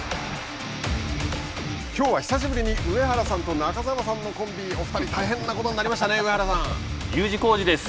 きょうは、久しぶりに上原さんと中澤さんのコンビにお２人大変なことになりましたね佑二・浩治です。